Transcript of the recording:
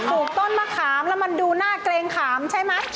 ลูกต้นมะขามแล้วมันดูน่าเกรงขามใช่ไหม